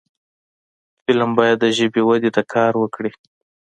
فلم باید د ژبې وده ته کار وکړي